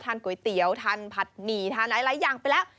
ก๋วยเตี๋ยวทานผัดหมี่ทานอะไรหลายอย่างไปแล้ว